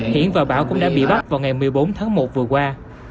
hiển và bảo cũng đã bị bắt vào ngày một mươi bốn tháng một vừa qua